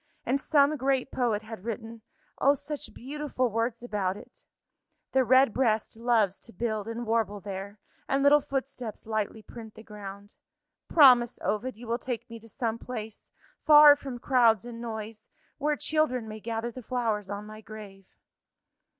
And some great poet had written oh, such beautiful words about it. The red breast loves to build and warble there, And little footsteps lightly print the ground. Promise, Ovid, you will take me to some place, far from crowds and noise where children may gather the flowers on my grave."